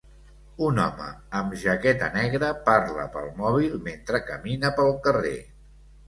Un home amb jaqueta negra parla pel mòbil mentre camina pel carrer.